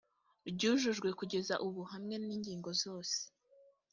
ryujujwe kugeza ubu hamwe n ingingo zose